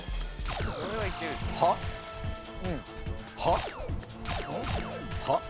はっ？